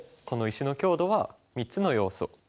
この石の強度は３つの要素